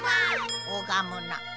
おがむな。